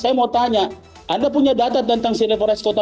saya mau tanya anda punya data tentang sea level rise kota